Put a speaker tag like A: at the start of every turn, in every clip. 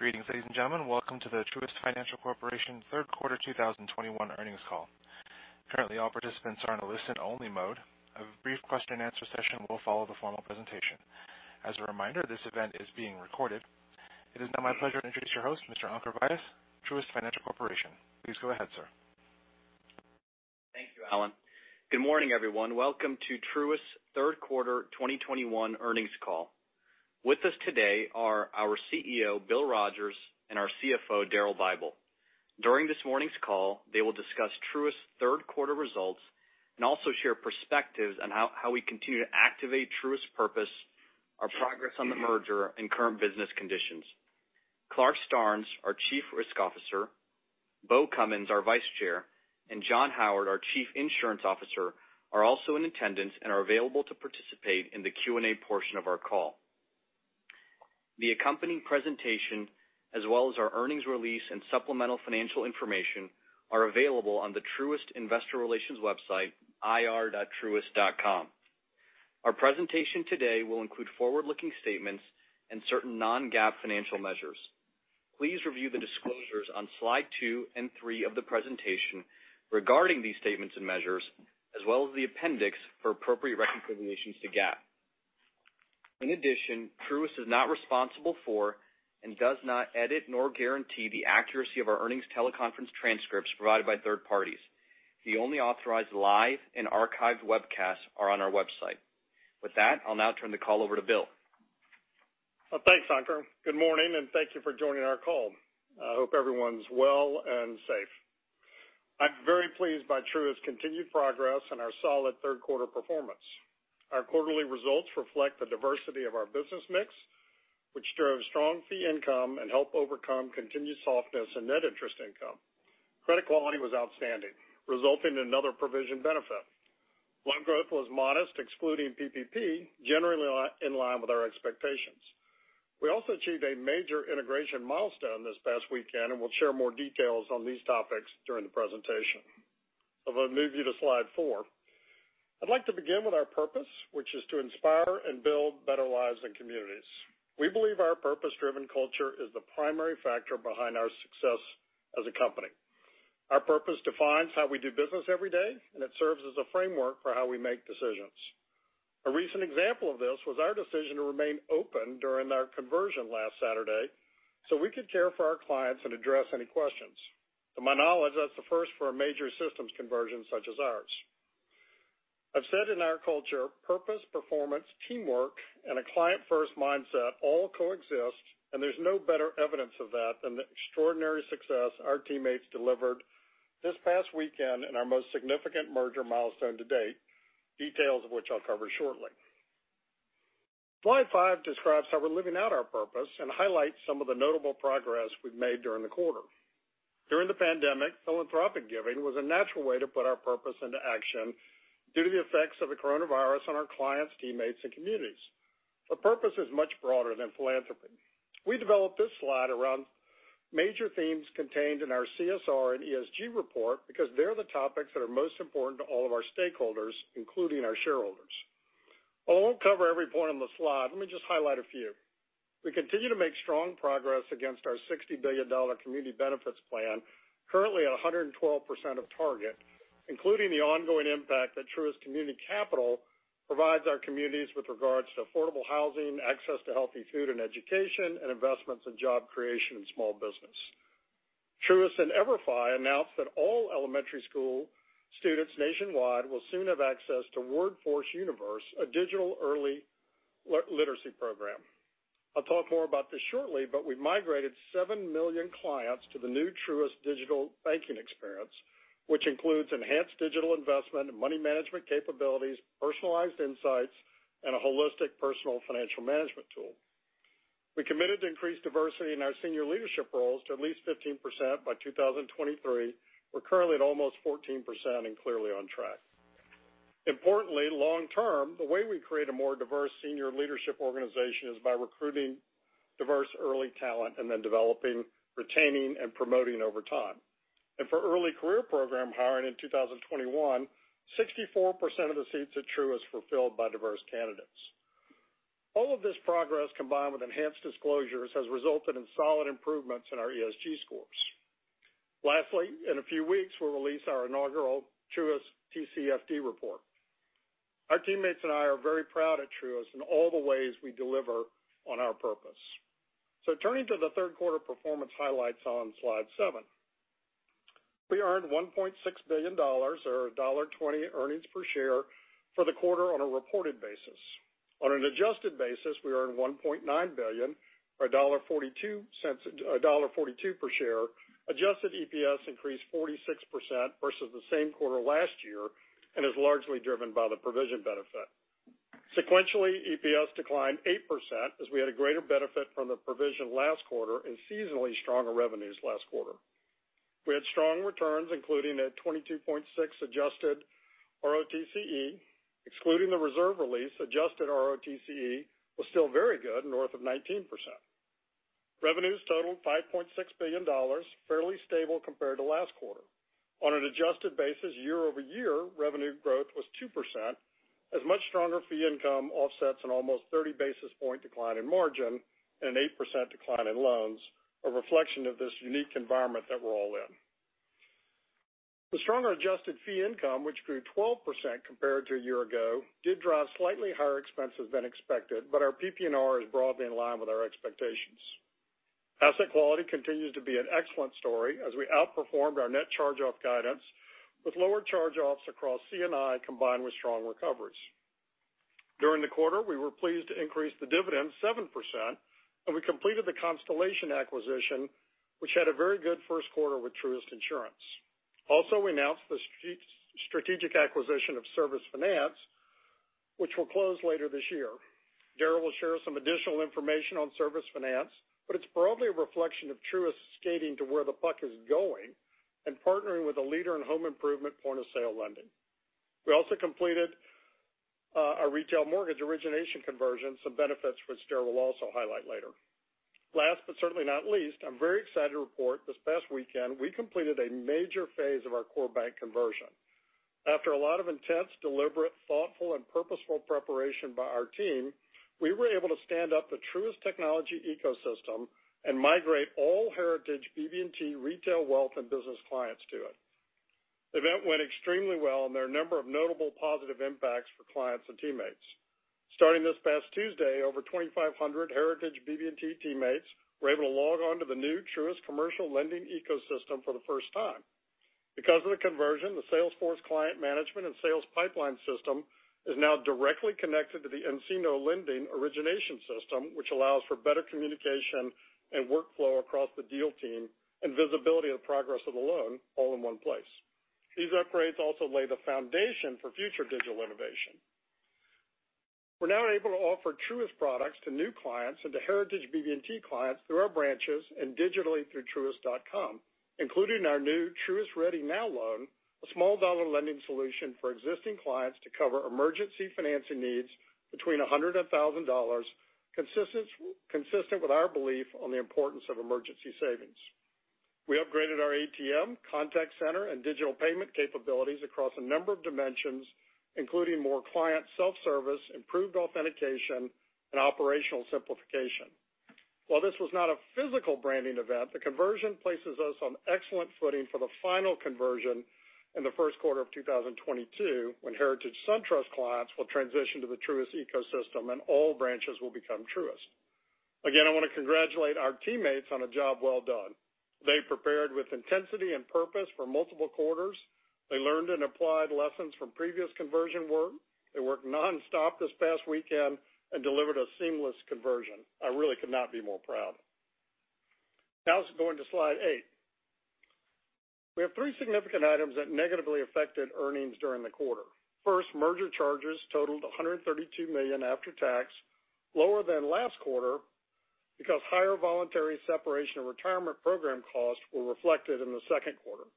A: Greetings, ladies and gentlemen. Welcome to the Truist Financial Corporation third quarter 2021 earnings call. Currently, all participants are in a listen-only mode. A brief question-and-answer session will follow the formal presentation. As a reminder, this event is being recorded. It is now my pleasure to introduce your host, Mr. Ankur Vyas, Truist Financial Corporation. Please go ahead, sir.
B: Thank you, Alan. Good morning, everyone. Welcome to Truist Third quarter 2021 earnings call. With us today are our CEO, Bill Rogers, and our CFO, Daryl Bible. During this morning's call, they will discuss Truist third quarter results and also share perspectives on how we continue to activate Truist Purpose, our progress on the merger, and current business conditions. Clarke Starnes, our Chief Risk Officer, Beau Cummins, our Vice Chair, and John Howard, our Chief Insurance Officer, are also in attendance and are available to participate in the Q&A portion of our call. The accompanying presentation, as well as our earnings release and supplemental financial information, are available on the Truist investor relations website, ir.truist.com. Our presentation today will include forward-looking statements and certain non-GAAP financial measures. Please review the disclosures on slide two and three of the presentation regarding these statements and measures, as well as the appendix for appropriate reconciliations to GAAP. In addition, Truist is not responsible for and does not edit nor guarantee the accuracy of our earnings teleconference transcripts provided by third parties. The only authorized live and archived webcasts are on our website. With that, I'll now turn the call over to Bill.
C: Well, thanks, Ankur. Good morning, and thank you for joining our call. I hope everyone's well and safe. I'm very pleased by Truist's continued progress and our solid third quarter performance. Our quarterly results reflect the diversity of our business mix, which drove strong fee income and helped overcome continued softness in net interest income. Credit quality was outstanding, resulting in another provision benefit. Loan growth was modest, excluding PPP, generally in line with our expectations. We also achieved a major integration milestone this past weekend, and we'll share more details on these topics during the presentation. I'm going to move you to slide four. I'd like to begin with our purpose, which is to inspire and build better lives and communities. We believe our purpose-driven culture is the primary factor behind our success as a company. Our purpose defines how we do business every day, and it serves as a framework for how we make decisions. A recent example of this was our decision to remain open during our conversion last Saturday so we could care for our clients and address any questions. To my knowledge, that's the first for a major systems conversion such as ours. I've said in our culture, purpose, performance, teamwork, and a client-first mindset all coexist, and there's no better evidence of that than the extraordinary success our teammates delivered this past weekend in our most significant merger milestone to date, details of which I'll cover shortly. Slide five describes how we're living out our purpose and highlights some of the notable progress we've made during the quarter. During the pandemic, philanthropic giving was a natural way to put our purpose into action due to the effects of the coronavirus on our clients, teammates, and communities. Our purpose is much broader than philanthropy. We developed this slide around major themes contained in our CSR and ESG report because they're the topics that are most important to all of our stakeholders, including our shareholders. I won't cover every point on the slide. Let me just highlight a few. We continue to make strong progress against our $60 billion community benefits plan, currently at 112% of target, including the ongoing impact that Truist Community Capital provides our communities with regards to affordable housing, access to healthy food and education, and investments in job creation and small business. Truist and EVERFI announced that all elementary school students nationwide will soon have access to WORD Force Universe, a digital early literacy program. I'll talk more about this shortly, but we've migrated seven million clients to the new Truist digital banking experience, which includes enhanced digital investment and money management capabilities, personalized insights, and a holistic personal financial management tool. We committed to increase diversity in our senior leadership roles to at least 15% by 2023. We're currently at almost 14% and clearly on track. Long term, the way we create a more diverse senior leadership organization is by recruiting diverse early talent and then developing, retaining, and promoting over time. For early career program hiring in 2021, 64% of the seats at Truist were filled by diverse candidates. All of this progress, combined with enhanced disclosures, has resulted in solid improvements in our ESG scores. In a few weeks, we'll release our inaugural Truist TCFD report. Our teammates and I are very proud at Truist in all the ways we deliver on our purpose. Turning to the third quarter performance highlights on slide seven. We earned $1.6 billion, or $1.20 earnings per share for the quarter on a reported basis. On an adjusted basis, we earned $1.9 billion, or $1.42 per share. Adjusted EPS increased 46% versus the same quarter last year and is largely driven by the provision benefit. Sequentially, EPS declined 8% as we had a greater benefit from the provision last quarter and seasonally stronger revenues last quarter. We had strong returns, including a 22.6% adjusted ROTCE. Excluding the reserve release, adjusted ROTCE was still very good, north of 19%. Revenues totaled $5.6 billion, fairly stable compared to last quarter. On an adjusted basis year-over-year, revenue growth was 2%, as much stronger fee income offsets an almost 30 basis point decline in margin and an 8% decline in loans, a reflection of this unique environment that we're all in. The stronger adjusted fee income, which grew 12% compared to a year ago, did drive slightly higher expenses than expected, but our PPNR is broadly in line with our expectations. Asset quality continues to be an excellent story as we outperformed our net charge-off guidance with lower charge-offs across C&I, combined with strong recoveries. During the quarter, we were pleased to increase the dividend 7%, and we completed the Constellation acquisition, which had a very good first quarter with Truist Insurance. We announced the strategic acquisition of Service Finance, which will close later this year. Daryl will share some additional information on Service Finance, but it's broadly a reflection of Truist skating to where the puck is going and partnering with a leader in home improvement point-of-sale lending. We also completed our retail mortgage origination conversion, some benefits which Daryl will also highlight later. Last but certainly not least, I'm very excited to report this past weekend we completed a major phase of our core bank conversion. After a lot of intense, deliberate, thoughtful, and purposeful preparation by our team, we were able to stand up the Truist technology ecosystem and migrate all heritage BB&T retail, wealth, and business clients to it. The event went extremely well, and there are a number of notable positive impacts for clients and teammates. Starting this past Tuesday, over 2,500 heritage BB&T teammates were able to log on to the new Truist commercial lending ecosystem for the first time. Because of the conversion, the Salesforce client management and sales pipeline system is now directly connected to the nCino lending origination system, which allows for better communication and workflow across the deal team and visibility of progress of the loan all in one place. These upgrades also lay the foundation for future digital innovation. We're now able to offer Truist products to new clients and to heritage BB&T clients through our branches and digitally through truist.com, including our new Truist Ready Now loan, a small dollar lending solution for existing clients to cover emergency financing needs between $100 and $1,000, consistent with our belief on the importance of emergency savings. We upgraded our ATM, contact center, and digital payment capabilities across a number of dimensions, including more client self-service, improved authentication, and operational simplification. While this was not a physical branding event, the conversion places us on excellent footing for the final conversion in the first quarter of 2022, when Heritage SunTrust clients will transition to the Truist ecosystem, and all branches will become Truist. I want to congratulate our teammates on a job well done. They prepared with intensity and purpose for multiple quarters. They learned and applied lessons from previous conversion work. They worked nonstop this past weekend and delivered a seamless conversion. I really could not be more proud. Let's go into slide eight. We have three significant items that negatively affected earnings during the quarter. Merger charges totaled $132 million after tax, lower than last quarter because higher voluntary separation and retirement program costs were reflected in the second quarter.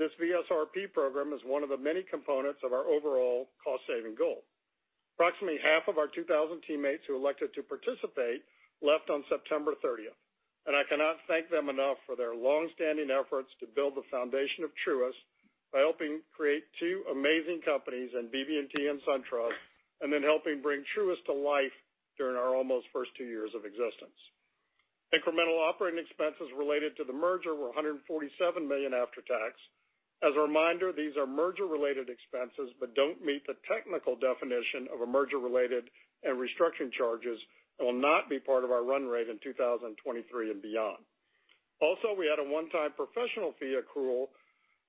C: This VSRP program is one of the many components of our overall cost-saving goal. Approximately half of our 2,000 teammates who elected to participate left on September 30th. I cannot thank them enough for their long-standing efforts to build the foundation of Truist by helping create two amazing companies in BB&T and SunTrust, and then helping bring Truist to life during our almost first two years of existence. Incremental operating expenses related to the merger were $147 million after tax. As a reminder, these are merger-related expenses but don't meet the technical definition of a merger-related and restructuring charges and will not be part of our run rate in 2023 and beyond. Also, we had a one-time professional fee accrual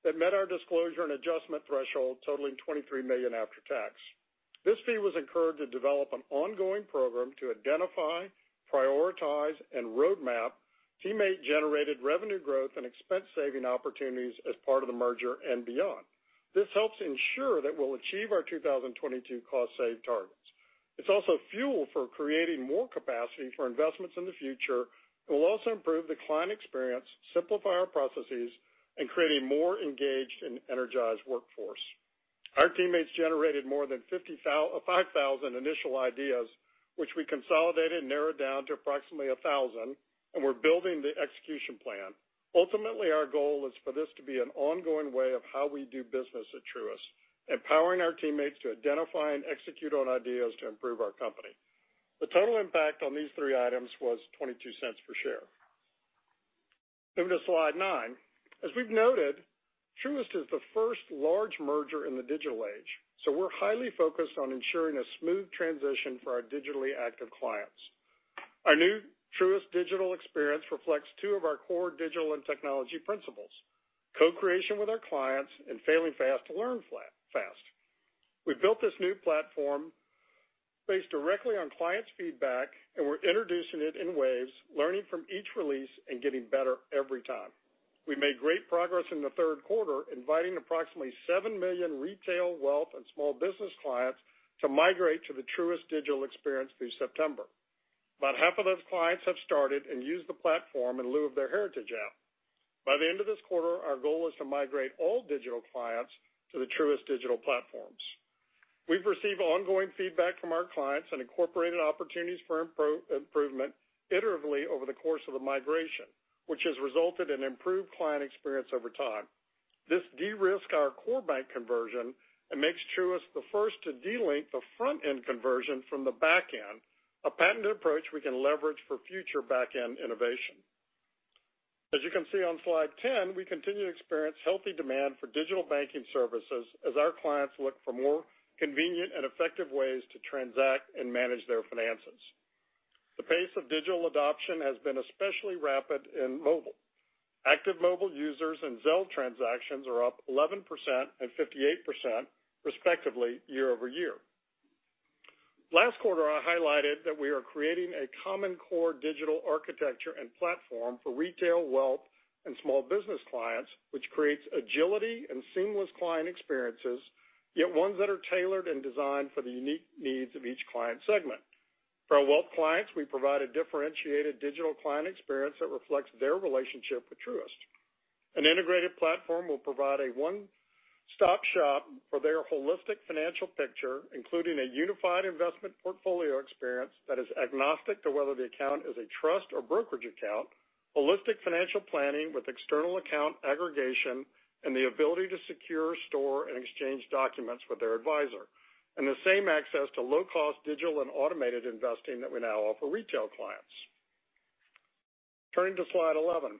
C: that met our disclosure and adjustment threshold, totaling $23 million after tax. This fee was incurred to develop an ongoing program to identify, prioritize, and roadmap teammate-generated revenue growth and expense-saving opportunities as part of the merger and beyond. This helps ensure that we'll achieve our 2022 cost save targets. It's also fuel for creating more capacity for investments in the future, and will also improve the client experience, simplify our processes, and create a more engaged and energized workforce. Our teammates generated more than 5,000 initial ideas, which we consolidated and narrowed down to approximately 1,000, and we're building the execution plan. Ultimately, our goal is for this to be an ongoing way of how we do business at Truist, empowering our teammates to identify and execute on ideas to improve our company. The total impact on these three items was $0.22 per share. Moving to slide nine. As we've noted, Truist is the first large merger in the digital age, so we're highly focused on ensuring a smooth transition for our digitally active clients. Our new Truist digital experience reflects two of our core digital and technology principles, co-creation with our clients and failing fast to learn fast. We built this new platform based directly on clients' feedback, and we're introducing it in waves, learning from each release, and getting better every time. We made great progress in the third quarter, inviting approximately seven million retail, wealth, and small business clients to migrate to the Truist digital experience through September. About half of those clients have started and used the platform in lieu of their heritage app. By the end of this quarter, our goal is to migrate all digital clients to the Truist digital platforms. We've received ongoing feedback from our clients and incorporated opportunities for improvement iteratively over the course of the migration, which has resulted in improved client experience over time. This de-risked our core bank conversion and makes Truist the first to de-link the front-end conversion from the back end, a patented approach we can leverage for future back-end innovation. As you can see on slide 10, we continue to experience healthy demand for digital banking services as our clients look for more convenient and effective ways to transact and manage their finances. The pace of digital adoption has been especially rapid in mobile. Active mobile users and Zelle transactions are up 11% and 58%, respectively, year-over-year. Last quarter, I highlighted that we are creating a common core digital architecture and platform for retail, wealth, and small business clients, which creates agility and seamless client experiences, yet ones that are tailored and designed for the unique needs of each client segment. For our wealth clients, we provide a differentiated digital client experience that reflects their relationship with Truist. An integrated platform will provide a one-stop shop for their holistic financial picture, including a unified investment portfolio experience that is agnostic to whether the account is a trust or brokerage account, holistic financial planning with external account aggregation, and the ability to secure, store, and exchange documents with their advisor, and the same access to low-cost digital and automated investing that we now offer retail clients. Turning to slide 11.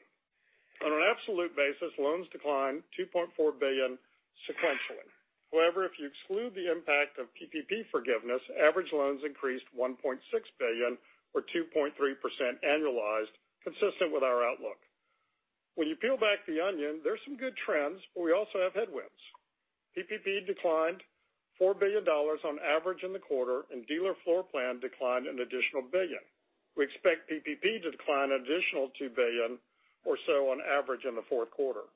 C: On an absolute basis, loans declined $2.4 billion sequentially. However, if you exclude the impact of PPP forgiveness, average loans increased $1.6 billion or 2.3% annualized, consistent with our outlook. When you peel back the onion, there's some good trends, but we also have headwinds. PPP declined $4 billion on average in the quarter, and dealer floor plan declined an additional $1 billion. We expect PPP to decline an additional $2 billion or so on average in the fourth quarter.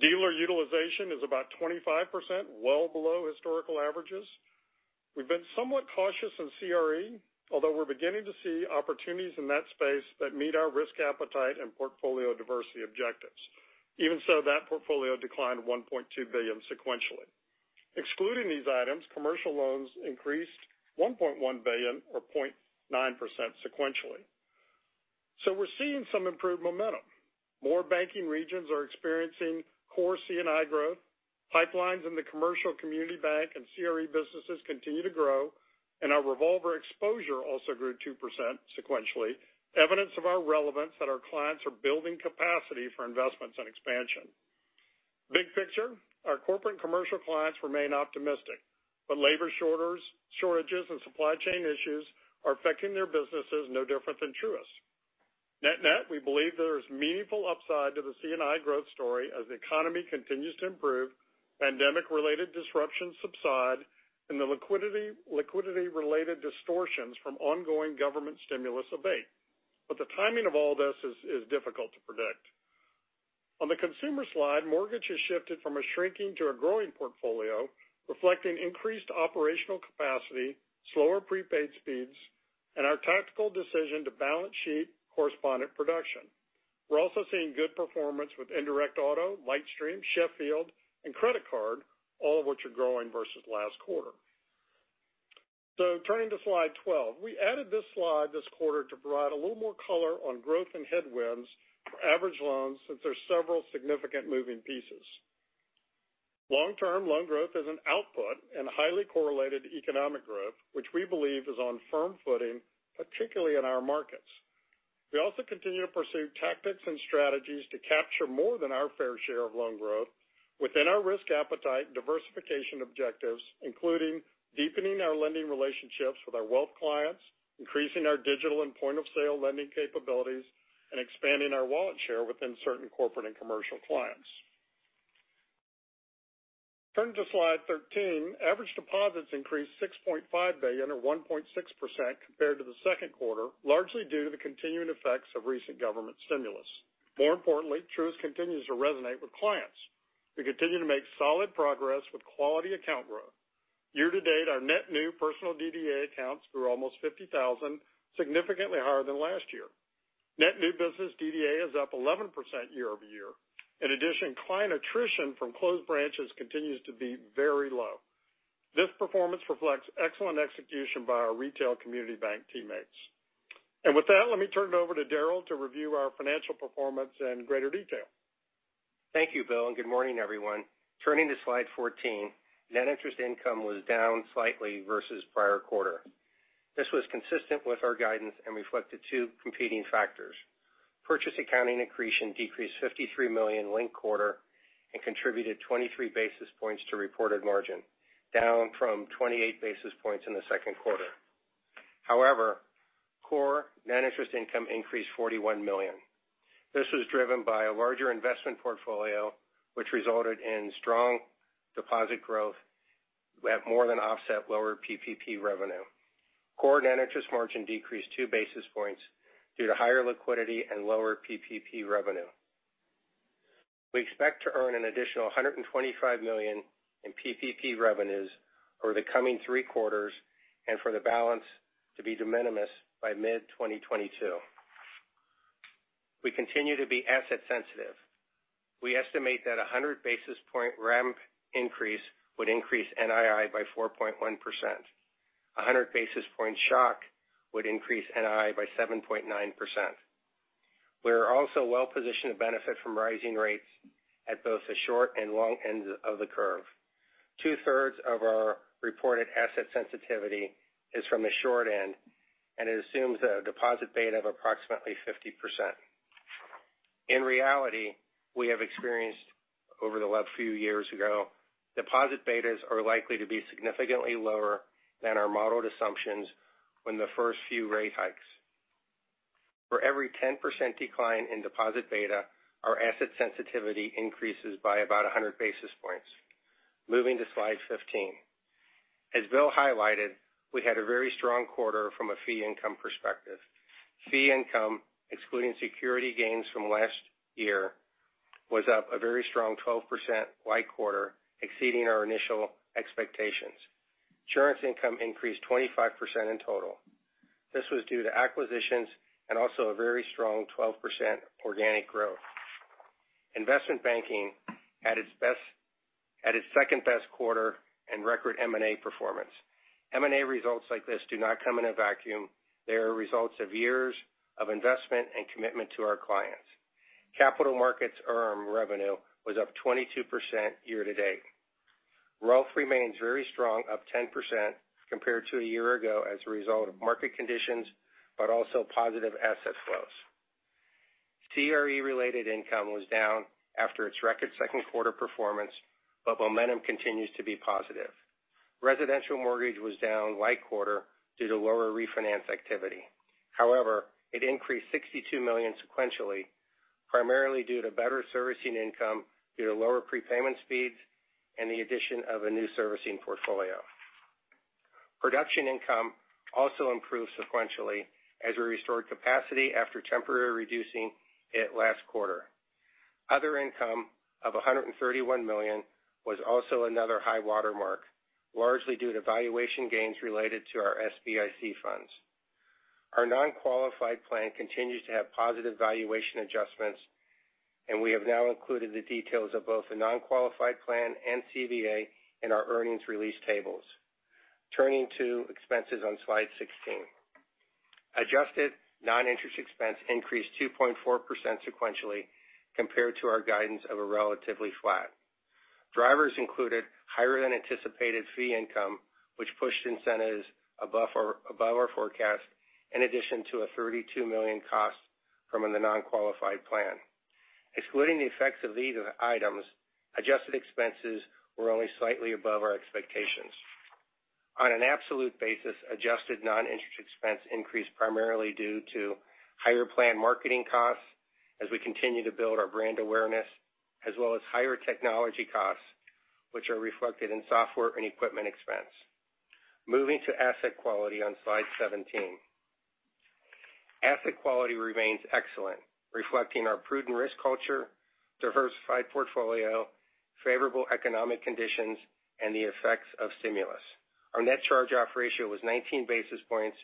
C: Dealer utilization is about 25%, well below historical averages. We've been somewhat cautious in CRE, although we're beginning to see opportunities in that space that meet our risk appetite and portfolio diversity objectives. Even so, that portfolio declined $1.2 billion sequentially. Excluding these items, commercial loans increased $1.1 billion or 0.9% sequentially. We're seeing some improved momentum. More banking regions are experiencing core C&I growth. Pipelines in the commercial community bank and CRE businesses continue to grow, and our revolver exposure also grew 2% sequentially, evidence of our relevance that our clients are building capacity for investments and expansion. Big picture, our corporate and commercial clients remain optimistic, but labor shortages and supply chain issues are affecting their businesses no different than Truist. Net-net, we believe there is meaningful upside to the C&I growth story as the economy continues to improve, pandemic-related disruptions subside, and the liquidity-related distortions from ongoing government stimulus abate. The timing of all this is difficult to predict. On the consumer slide, mortgage has shifted from a shrinking to a growing portfolio, reflecting increased operational capacity, slower prepaid speeds, and our tactical decision to balance sheet correspondent production. We're also seeing good performance with indirect auto, LightStream, Sheffield, and credit card, all of which are growing versus last quarter. Turning to slide 12. We added this slide this quarter to provide a little more color on growth and headwinds for average loans, since there's several significant moving pieces. Long-term loan growth is an output and highly correlated to economic growth, which we believe is on firm footing, particularly in our markets. We also continue to pursue tactics and strategies to capture more than our fair share of loan growth within our risk appetite and diversification objectives, including deepening our lending relationships with our wealth clients, increasing our digital and point-of-sale lending capabilities, and expanding our wallet share within certain corporate and commercial clients. Turning to slide 13, average deposits increased $6.5 billion, or 1.6%, compared to the second quarter, largely due to the continuing effects of recent government stimulus. More importantly, Truist continues to resonate with clients. We continue to make solid progress with quality account growth. Year to date, our net new personal DDA accounts grew almost 50,000, significantly higher than last year. Net new business DDA is up 11% year-over-year. Client attrition from closed branches continues to be very low. This performance reflects excellent execution by our retail community bank teammates. With that, let me turn it over to Daryl to review our financial performance in greater detail.
D: Thank you, Bill, and good morning, everyone. Turning to slide 14, net interest income was down slightly versus prior quarter. This was consistent with our guidance and reflected two competing factors. Purchase accounting accretion decreased $53 million linked quarter and contributed 23 basis points to reported margin, down from 28 basis points in the second quarter. Core net interest income increased $41 million. This was driven by a larger investment portfolio, which resulted in strong deposit growth that more than offset lower PPP revenue. Core net interest margin decreased two basis points due to higher liquidity and lower PPP revenue. We expect to earn an additional $125 million in PPP revenues over the coming three quarters and for the balance to be de minimis by mid-2022. We continue to be asset sensitive. We estimate that a 100 basis point ramp increase would increase NII by 4.1%. A 100 basis point shock would increase NII by 7.9%. We are also well-positioned to benefit from rising rates at both the short and long ends of the curve. Two-thirds of our reported asset sensitivity is from the short end, and it assumes a deposit beta of approximately 50%. In reality, we have experienced over the last few years, deposit betas are likely to be significantly lower than our modeled assumptions when the first few rate hikes. For every 10% decline in deposit beta, our asset sensitivity increases by about 100 basis points. Moving to slide 15. As Bill highlighted, we had a very strong quarter from a fee income perspective. Fee income, excluding security gains from last year, was up a very strong 12% like quarter, exceeding our initial expectations. Insurance income increased 25% in total. This was due to acquisitions and also a very strong 12% organic growth. Investment banking had its second-best quarter and record M&A performance. M&A results like this do not come in a vacuum. They are results of years of investment and commitment to our clients. Capital markets RM revenue was up 22% year to date. Wealth remains very strong, up 10% compared to a year ago, as a result of market conditions, but also positive asset flows. CRE-related income was down after its record second quarter performance, but momentum continues to be positive. Residential mortgage was down like quarter due to lower refinance activity. However, it increased $62 million sequentially, primarily due to better servicing income due to lower prepayment speeds and the addition of a new servicing portfolio. Production income also improved sequentially as we restored capacity after temporarily reducing it last quarter. Other income of $131 million was also another high watermark, largely due to valuation gains related to our SBIC funds. Our non-qualified plan continues to have positive valuation adjustments, and we have now included the details of both the non-qualified plan and CVA in our earnings release tables. Turning to expenses on slide 16. Adjusted non-interest expense increased 2.4% sequentially compared to our guidance of a relatively flat. Drivers included higher than anticipated fee income, which pushed incentives above our forecast, in addition to a $32 million cost from the non-qualified plan. Excluding the effects of these items, adjusted expenses were only slightly above our expectations. On an absolute basis, adjusted non-interest expense increased primarily due to higher plan marketing costs as we continue to build our brand awareness as well as higher technology costs, which are reflected in software and equipment expense. Moving to asset quality on slide 17. Asset quality remains excellent, reflecting our prudent risk culture, diversified portfolio, favorable economic conditions, and the effects of stimulus. Our net charge-off ratio was 19 basis points,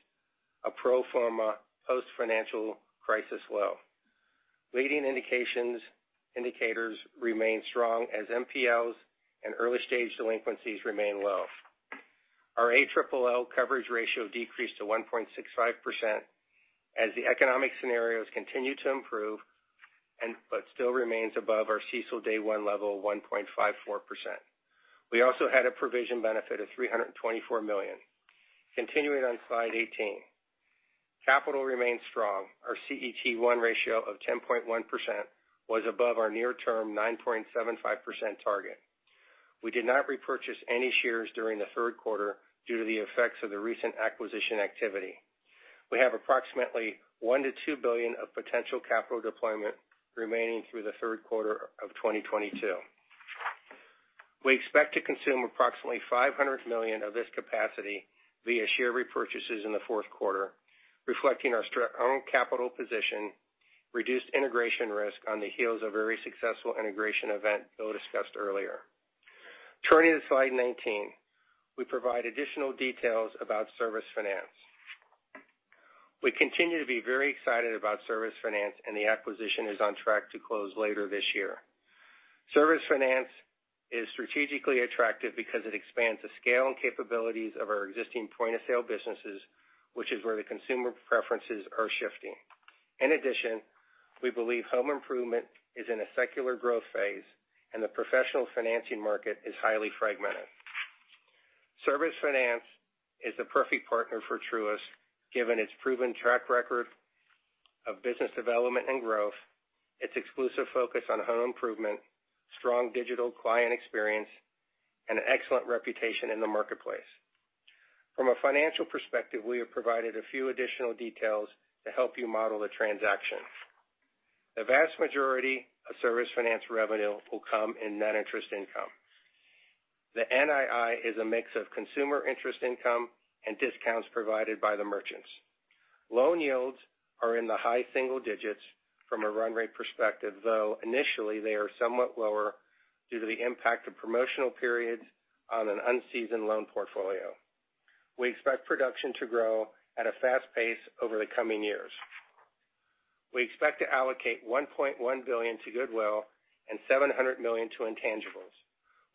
D: a pro forma post-financial crisis low. Leading indicators remain strong as NPLs and early-stage delinquencies remain low. Our ALL coverage ratio decreased to 1.65% as the economic scenarios continue to improve but still remains above our CECL day one level of 1.54%. We also had a provision benefit of $324 million. Continuing on slide 18. Capital remains strong. Our CET1 ratio of 10.1% was above our near-term 9.75% target. We did not repurchase any shares during the third quarter due to the effects of the recent acquisition activity. We have approximately $1 billion-$2 billion of potential capital deployment remaining through the third quarter of 2022. We expect to consume approximately $500 million of this capacity via share repurchases in the fourth quarter, reflecting our strong capital position, reduced integration risk on the heels of a very successful integration event Bill discussed earlier. Turning to slide 19. We provide additional details about Service Finance. We continue to be very excited about Service Finance, and the acquisition is on track to close later this year. Service Finance is strategically attractive because it expands the scale and capabilities of our existing point-of-sale businesses, which is where the consumer preferences are shifting. In addition, we believe home improvement is in a secular growth phase, and the professional financing market is highly fragmented. Service Finance is the perfect partner for Truist, given its proven track record of business development and growth, its exclusive focus on home improvement, strong digital client experience, and an excellent reputation in the marketplace. From a financial perspective, we have provided a few additional details to help you model the transaction. The vast majority of Service Finance revenue will come in net interest income. The NII is a mix of consumer interest income and discounts provided by the merchants. Loan yields are in the high single digits from a run rate perspective, though initially they are somewhat lower due to the impact of promotional periods on an unseasoned loan portfolio. We expect production to grow at a fast pace over the coming years. We expect to allocate $1.1 billion to goodwill and $700 million to intangibles.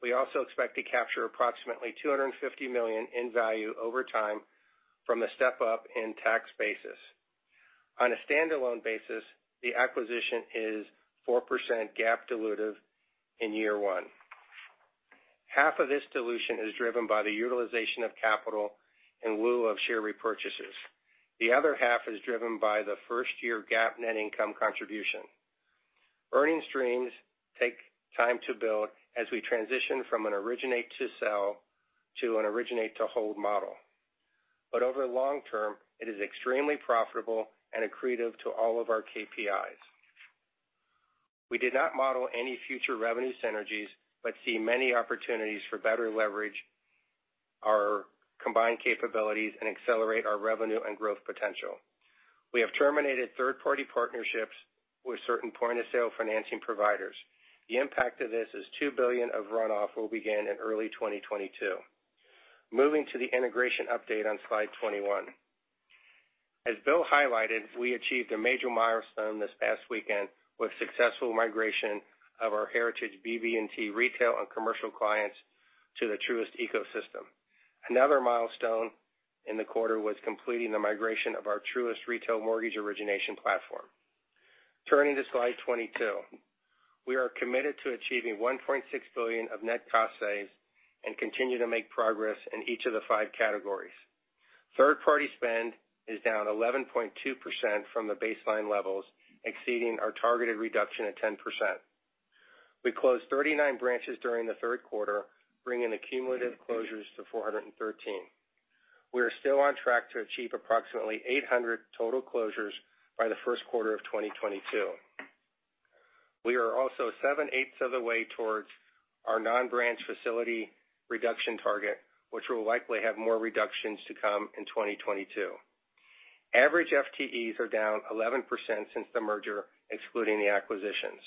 D: We also expect to capture approximately $250 million in value over time from the step-up in tax basis. On a standalone basis, the acquisition is 4% GAAP dilutive in year one. Half of this dilution is driven by the utilization of capital in lieu of share repurchases. The other half is driven by the first-year GAAP net income contribution. Earning streams take time to build as we transition from an originate-to-sell to an originate-to-hold model. Over long term, it is extremely profitable and accretive to all of our KPIs. We did not model any future revenue synergies but see many opportunities for better leverage our combined capabilities and accelerate our revenue and growth potential. We have terminated third-party partnerships with certain point-of-sale financing providers. The impact of this is $2 billion of runoff will begin in early 2022. Moving to the integration update on slide 21. As Bill highlighted, we achieved a major milestone this past weekend with successful migration of our heritage BB&T retail and commercial clients to the Truist ecosystem. Another milestone in the quarter was completing the migration of our Truist retail mortgage origination platform. Turning to slide 22. We are committed to achieving $1.6 billion of net cost saves and continue to make progress in each of the five categories. Third-party spend is down 11.2% from the baseline levels, exceeding our targeted reduction of 10%. We closed 39 branches during the third quarter, bringing cumulative closures to 413. We are still on track to achieve approximately 800 total closures by the first quarter of 2022. We are also 7/8 of the way towards our non-branch facility reduction target, which will likely have more reductions to come in 2022. Average FTEs are down 11% since the merger, excluding the acquisitions.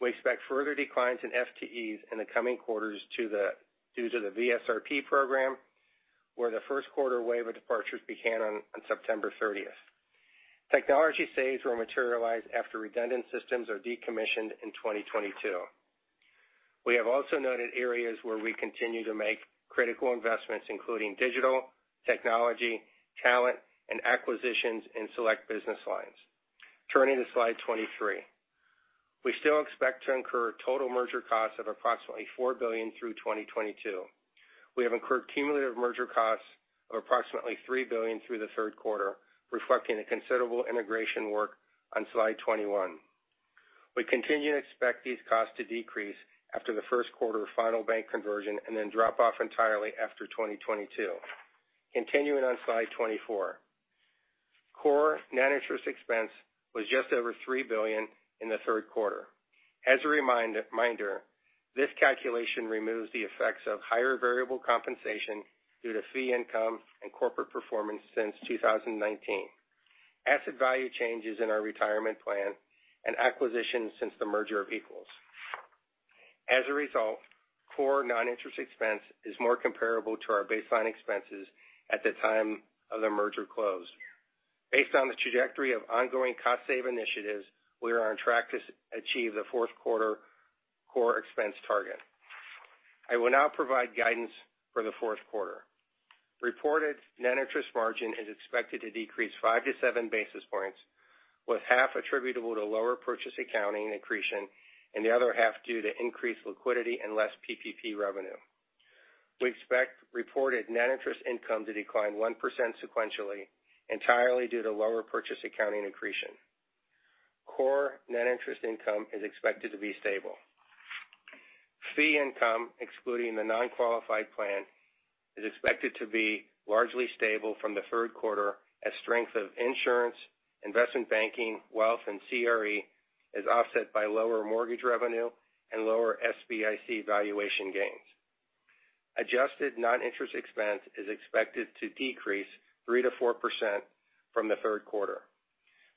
D: We expect further declines in FTEs in the coming quarters due to the VSRP program, where the first quarter wave of departures began on September 30th. Technology saves will materialize after redundant systems are decommissioned in 2022. We have also noted areas where we continue to make critical investments, including digital, technology, talent, and acquisitions in select business lines. Turning to Slide 23. We still expect to incur total merger costs of approximately $4 billion through 2022. We have incurred cumulative merger costs of approximately $3 billion through the third quarter, reflecting the considerable integration work on Slide 21. We continue to expect these costs to decrease after the first quarter of final bank conversion, and then drop off entirely after 2022. Continuing on Slide 24. Core non-interest expense was just over $3 billion in the third quarter. As a reminder, this calculation removes the effects of higher variable compensation due to fee income and corporate performance since 2019. Asset value changes in our retirement plan and acquisitions since the merger of equals. As a result, core non-interest expense is more comparable to our baseline expenses at the time of the merger close. Based on the trajectory of ongoing cost save initiatives, we are on track to achieve the fourth quarter core expense target. I will now provide guidance for the fourth quarter. Reported net interest margin is expected to decrease 5 to 7 basis points, with half attributable to lower purchase accounting accretion and the other half due to increased liquidity and less PPP revenue. We expect reported net interest income to decline 1% sequentially, entirely due to lower purchase accounting accretion. Core net interest income is expected to be stable. Fee income, excluding the non-qualified plan, is expected to be largely stable from the third quarter as strength of insurance, investment banking, wealth, and CRE is offset by lower mortgage revenue and lower SBIC valuation gains. Adjusted non-interest expense is expected to decrease 3%-4% from the third quarter.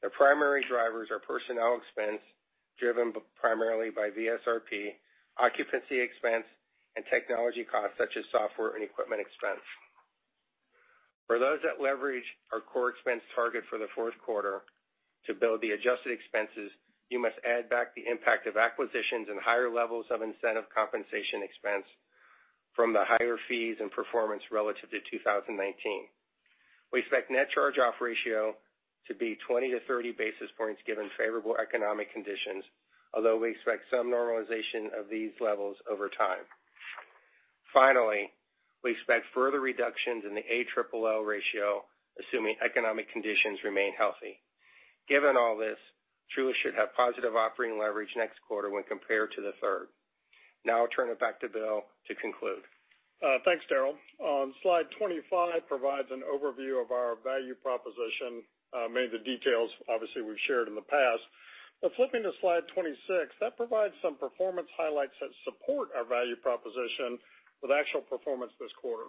D: The primary drivers are personnel expense, driven primarily by VSRP, occupancy expense, and technology costs such as software and equipment expense. For those that leverage our core expense target for the fourth quarter to build the adjusted expenses, you must add back the impact of acquisitions and higher levels of incentive compensation expense from the higher fees and performance relative to 2019. We expect net charge-off ratio to be 20-30 basis points given favorable economic conditions, although we expect some normalization of these levels over time. Finally, we expect further reductions in the ALL ratio, assuming economic conditions remain healthy. Given all this, Truist should have positive operating leverage next quarter when compared to the third. Now I'll turn it back to Bill to conclude.
C: Thanks, Daryl. Slide 25 provides an overview of our value proposition. Many of the details obviously we've shared in the past. Flipping to slide 26, that provides some performance highlights that support our value proposition with actual performance this quarter.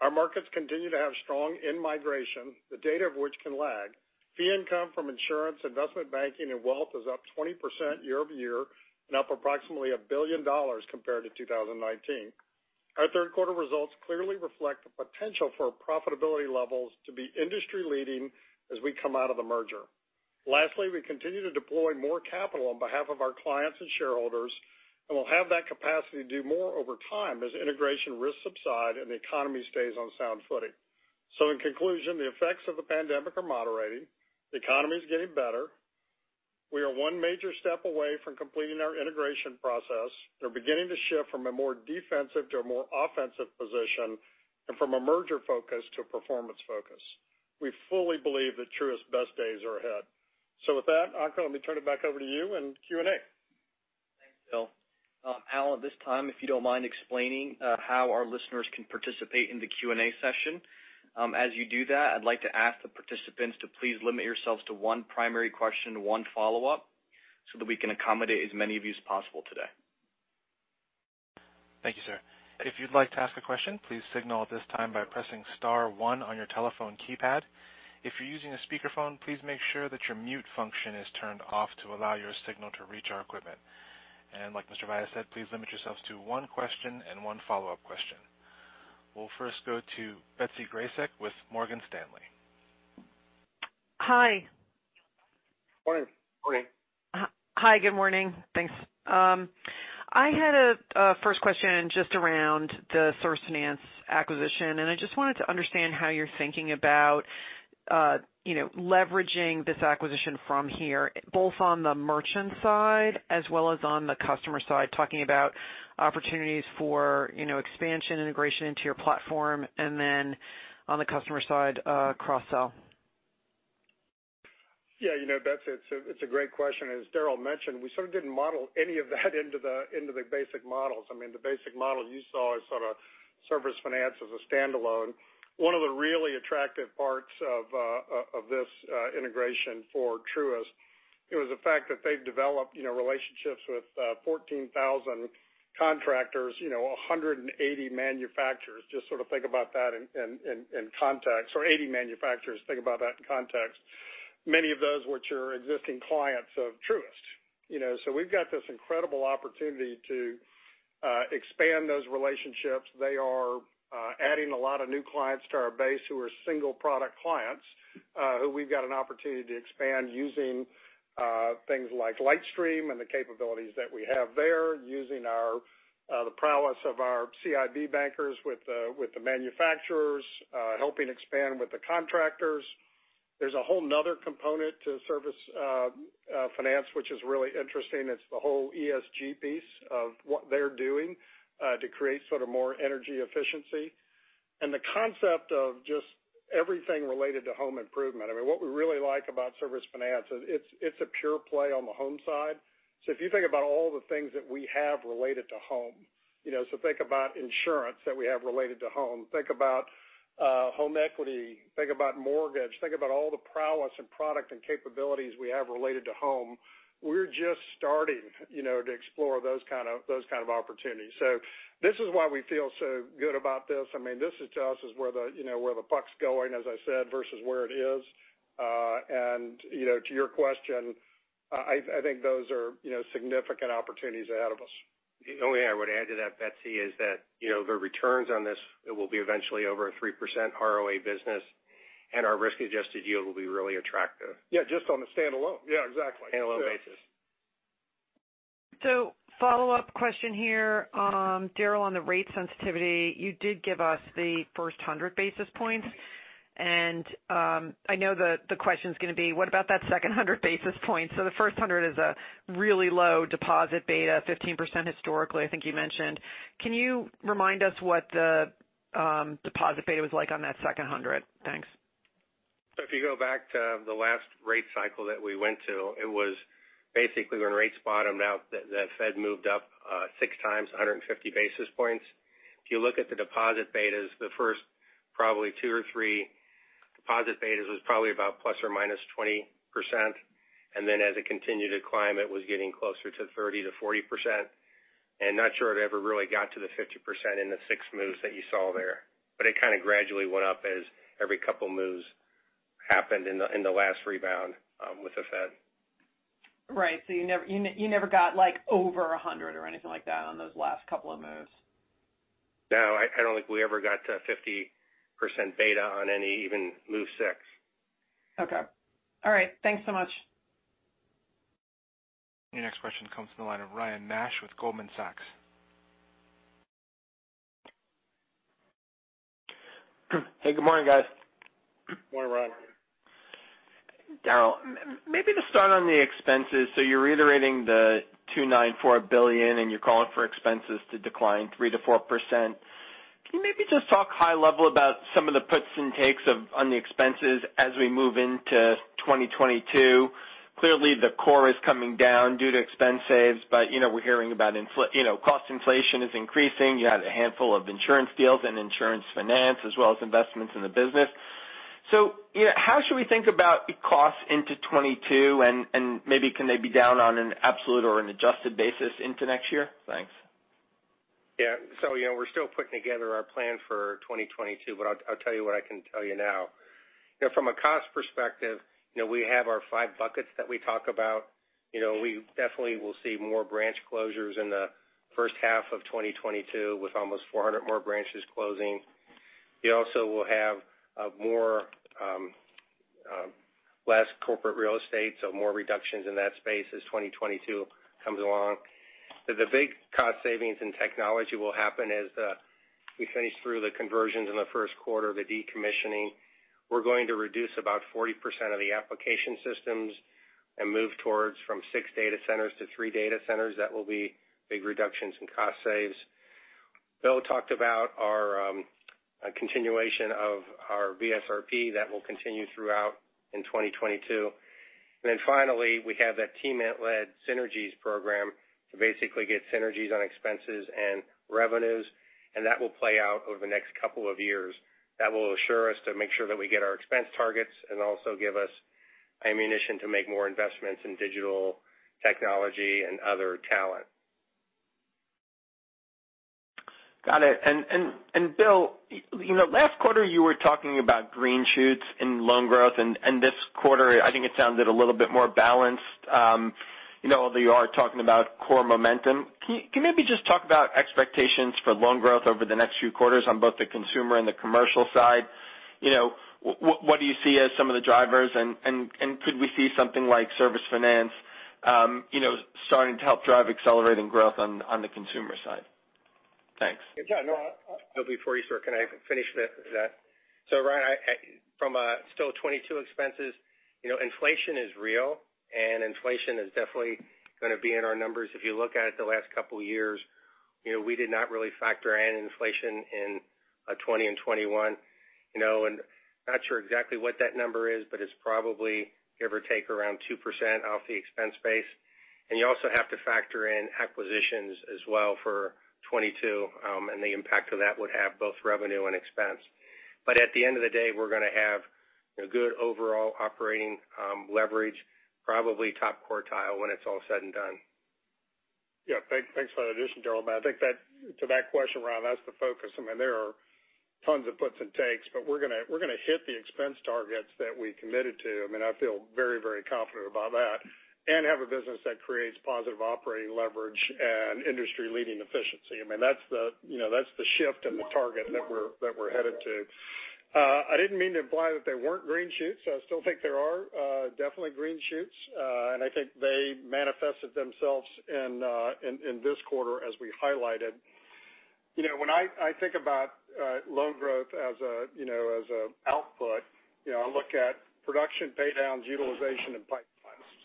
C: Our markets continue to have strong in-migration, the data of which can lag. Fee income from insurance, investment banking, and wealth is up 20% year-over-year and up approximately $1 billion compared to 2019. Our third quarter results clearly reflect the potential for profitability levels to be industry-leading as we come out of the merger. Lastly, we continue to deploy more capital on behalf of our clients and shareholders, and we'll have that capacity to do more over time as integration risks subside and the economy stays on sound footing. In conclusion, the effects of the pandemic are moderating. The economy's getting better. We are one major step away from completing our integration process and are beginning to shift from a more defensive to a more offensive position and from a merger focus to a performance focus. We fully believe that Truist's best days are ahead. With that, Ankur, let me turn it back over to you and Q&A.
B: Thanks, Bill. Al, at this time, if you don't mind explaining how our listeners can participate in the Q&A session. As you do that, I'd like to ask the participants to please limit yourselves to one primary question and one follow-up so that we can accommodate as many of you as possible today.
A: Thank you, sir. If you'd like to ask a question, please signal at this time by pressing star one on your telephone keypad. If you're using a speakerphone, please make sure that your mute function is turned off to allow your signal to reach our equipment. Like Mr. Vyas said, please limit yourselves to one question and one follow-up question. We'll first go to Betsy Graseck with Morgan Stanley.
E: Hi.
C: Morning.
D: Morning.
E: Hi, good morning. Thanks. I had a first question just around the Service Finance acquisition. I just wanted to understand how you're thinking about leveraging this acquisition from here, both on the merchant side as well as on the customer side, talking about opportunities for expansion, integration into your platform, and then on the customer side, cross-sell.
C: Yeah, Betsy, it's a great question. As Daryl mentioned, we sort of didn't model any of that into the basic models. I mean, the basic model you saw is sort of Service Finance as a standalone. One of the really attractive parts of this integration for Truist, it was the fact that they've developed relationships with 14,000 contractors, 180 manufacturers. Think about that in context, or 80 manufacturers. Many of those which are existing clients of Truist. We've got this incredible opportunity to expand those relationships. They are adding a lot of new clients to our base who are single-product clients who we've got an opportunity to expand using things like LightStream and the capabilities that we have there, using the prowess of our CIB bankers with the manufacturers, helping expand with the contractors. There's a whole other component to Service Finance, which is really interesting. It's the whole ESG piece of what they're doing to create sort of more energy efficiency. The concept of just everything related to home improvement. I mean, what we really like about Service Finance is it's a pure play on the home side. If you think about all the things that we have related to home, so think about insurance that we have related to home, think about home equity, think about mortgage, think about all the prowess in product and capabilities we have related to home. We're just starting to explore those kind of opportunities. This is why we feel so good about this. I mean, this is to us is where the puck's going, as I said, versus where it is. To your question, I think those are significant opportunities ahead of us.
D: The only thing I would add to that, Betsy, is that the returns on this, it will be eventually over a 3% ROA business, and our risk-adjusted yield will be really attractive.
C: Yeah, just on the standalone. Yeah, exactly.
D: Standalone basis.
E: Follow-up question here. Daryl, on the rate sensitivity, you did give us the first 100 basis points, and I know the question's going to be, what about that second 100 basis points? The first 100 is a really low deposit beta, 15% historically, I think you mentioned. Can you remind us what the deposit beta was like on that second 100? Thanks.
D: If you go back to the last rate cycle that we went to, it was basically when rates bottomed out, the Fed moved up 6x, 150 basis points. If you look at the deposit betas, the first probably two or three deposit betas was probably about ±20%, and then as it continued to climb, it was getting closer to 30%-40%. Not sure it ever really got to the 50% in the six moves that you saw there. It kind of gradually went up as every couple moves happened in the last rebound with the Fed.
E: Right. You never got over 100 or anything like that on those last couple of moves.
D: No, I don't think we ever got to 50% beta on any, even move six.
E: Okay. All right. Thanks so much.
A: Your next question comes from the line of Ryan Nash with Goldman Sachs.
F: Hey, good morning, guys.
C: Morning, Ryan.
F: Daryl, maybe to start on the expenses, you're reiterating the $294 billion, and you're calling for expenses to decline 3%-4%. Can you maybe just talk high level about some of the puts and takes on the expenses as we move into 2022? Clearly, the core is coming down due to expense saves, we're hearing about cost inflation is increasing. You had a handful of insurance deals and insurance finance, as well as investments in the business. How should we think about costs into 2022, and maybe can they be down on an absolute or an adjusted basis into next year? Thanks.
D: We're still putting together our plan for 2022, but I'll tell you what I can tell you now. From a cost perspective, we have our five buckets that we talk about. We definitely will see more branch closures in the first half of 2022 with almost 400 more branches closing. We also will have less corporate real estate, more reductions in that space as 2022 comes along. The big cost savings in technology will happen as we finish through the conversions in the first quarter, the decommissioning. We're going to reduce about 40% of the application systems and move towards from six data centers to three data centers. That will be big reductions in cost saves. Bill talked about our continuation of our VSRP. That will continue throughout in 2022. Finally, we have that team-led synergies program to basically get synergies on expenses and revenues, and that will play out over the next couple of years. That will assure us to make sure that we get our expense targets and also give us ammunition to make more investments in digital technology and other talent.
F: Got it. Bill, last quarter you were talking about green shoots and loan growth, this quarter, I think it sounded a little bit more balanced. Although you are talking about core momentum. Can you maybe just talk about expectations for loan growth over the next few quarters on both the consumer and the commercial side? What do you see as some of the drivers and could we see something like Service Finance starting to help drive accelerating growth on the consumer side? Thanks.
D: Yeah. No. Before you start, can I finish that? Ryan, from a still 2022 expenses, inflation is real and inflation is definitely going to be in our numbers. If you look at it the last couple of years, we did not really factor in inflation in 2020 and 2021. Not sure exactly what that number is, but it's probably give or take around 2% off the expense base. You also have to factor in acquisitions as well for 2022. The impact of that would have both revenue and expense. At the end of the day, we're going to have good overall operating leverage, probably top quartile when it's all said and done.
C: Yeah. Thanks for that addition, Daryl. I think to that question, Ryan, that's the focus. There are tons of puts and takes, but we're going to hit the expense targets that we committed to. I feel very confident about that and have a business that creates positive operating leverage and industry-leading efficiency. That's the shift and the target that we're headed to. I didn't mean to imply that there weren't green shoots. I still think there are definitely green shoots. I think they manifested themselves in this quarter as we highlighted. I look at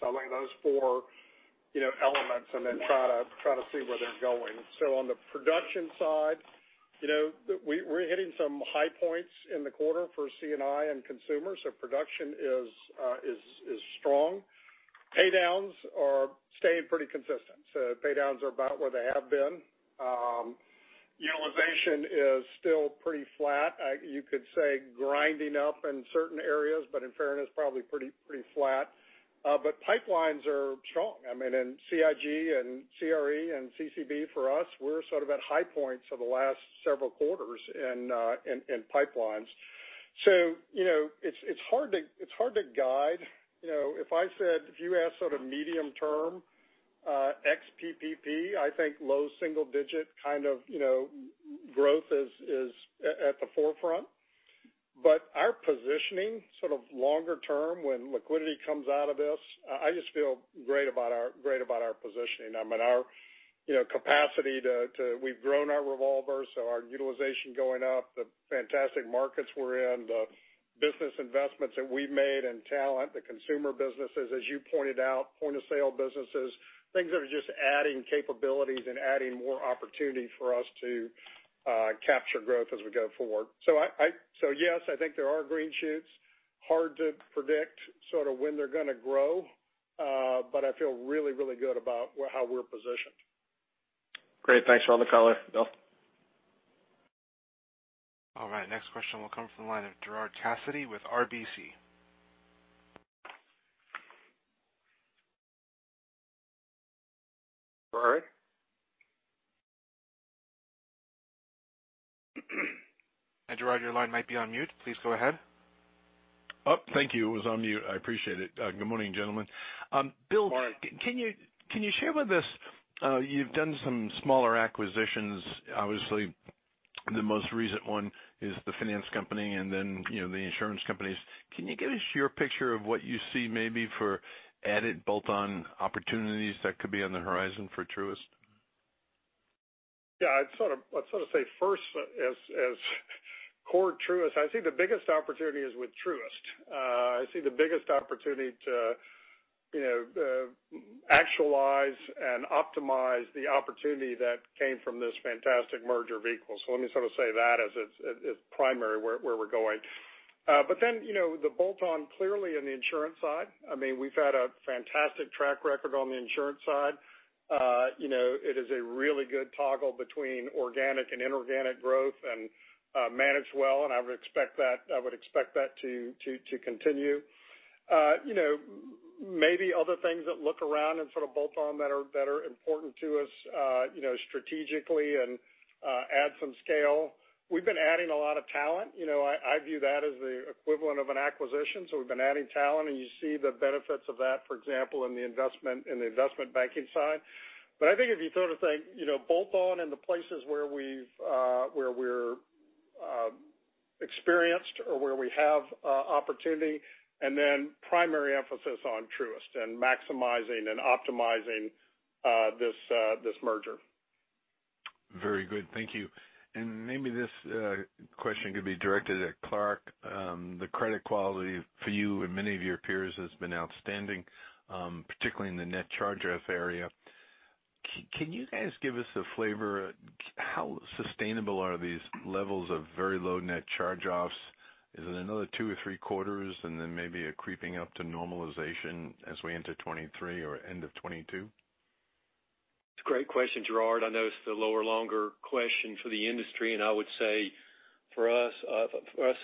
C: those four elements and then try to see where they're going. On the production side, we're hitting some high points in the quarter for C&I and consumer. Production is strong. Pay-downs are staying pretty consistent. Pay-downs are about where they have been. Utilization is still pretty flat. You could say grinding up in certain areas, but in fairness, probably pretty flat. Pipelines are strong. In CIG and CRE and CCB for us, we're sort of at high points for the last several quarters in pipelines. It's hard to guide. If you ask sort of medium term ex PPP, I think low single-digit kind of growth is at the forefront. Our positioning sort of longer term when liquidity comes out of this, I just feel great about our positioning. Our capacity we've grown our revolvers, so our utilization going up, the fantastic markets we're in, the business investments that we've made in talent, the consumer businesses, as you pointed out, point-of-sale businesses, things that are just adding capabilities and adding more opportunity for us to capture growth as we go forward. Yes, I think there are green shoots. Hard to predict when they're going to grow. I feel really good about how we're positioned.
F: Great. Thanks for all the color, Bill.
A: All right. Next question will come from the line of Gerard Cassidy with RBC.
C: Gerard?
A: Gerard, your line might be on mute. Please go ahead.
G: Oh, thank you. It was on mute. I appreciate it. Good morning, gentlemen.
C: Mark.
G: Bill, can you share with us, you've done some smaller acquisitions. Obviously, the most recent one is the finance company and then the insurance companies. Can you give us your picture of what you see maybe for added bolt-on opportunities that could be on the horizon for Truist?
C: I'd sort of say first as core Truist, I see the biggest opportunity is with Truist. I see the biggest opportunity to actualize and optimize the opportunity that came from this fantastic merger of equals. Let me sort of say that as it's primary where we're going. The bolt-on clearly in the insurance side. We've had a fantastic track record on the insurance side. It is a really good toggle between organic and inorganic growth and managed well, and I would expect that to continue. Maybe other things that look around and sort of bolt on that are important to us strategically and add some scale. We've been adding a lot of talent. I view that as the equivalent of an acquisition. We've been adding talent, and you see the benefits of that, for example, in the investment banking side. I think if you sort of think, bolt on in the places where we're experienced or where we have opportunity, and then primary emphasis on Truist and maximizing and optimizing this merger.
G: Very good. Thank you. Maybe this question could be directed at Clarke. The credit quality for you and many of your peers has been outstanding, particularly in the net charge-off area. Can you guys give us a flavor, how sustainable are these levels of very low net charge-offs? Is it another two or three quarters and then maybe a creeping up to normalization as we enter 2023 or end of 2022?
H: It's a great question, Gerard. I know it's the lower, longer question for the industry, and I would say for us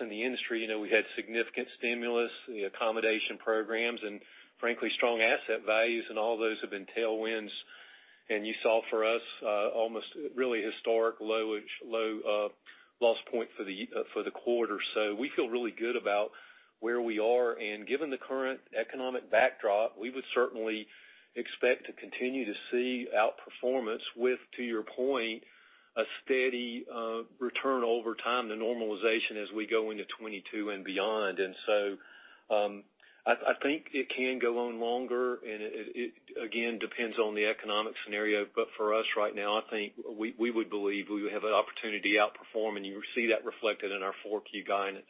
H: in the industry, we had significant stimulus, the accommodation programs, and frankly, strong asset values, and all those have been tailwinds. You saw for us, almost really historic low loss point for the quarter. We feel really good about where we are. Given the current economic backdrop, we would certainly expect to continue to see outperformance with, to your point, a steady return over time to normalization as we go into 2022 and beyond. I think it can go on longer, and it, again, depends on the economic scenario. For us right now, I think we would believe we would have an opportunity to outperform, and you see that reflected in our 4Q guidance.